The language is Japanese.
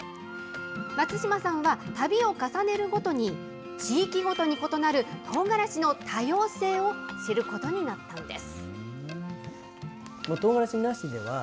松島さんは、旅を重ねるごとに、地域ごとに異なるとうがらしの多様性を知ることになったんです。